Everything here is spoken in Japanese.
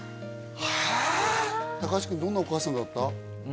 へえ高橋君どんなお母さんだった？